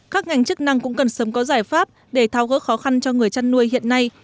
các ngành chức năng cũng cần sớm có giải pháp để thao gỡ khó khăn cho người chăn nuôi hiện nay